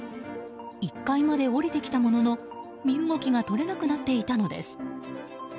１階まで下りてきたものの身動きが取れなくなっていたのです。